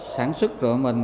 sản xuất tụi mình